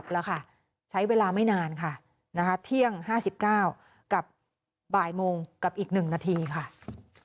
โปรดติดตามตอนต่อไป